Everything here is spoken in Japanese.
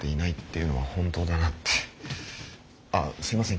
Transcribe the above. ああすいません